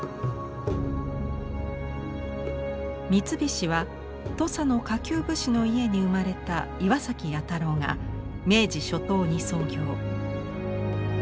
三菱は土佐の下級武士の家に生まれた岩崎彌太郎が明治初頭に創業。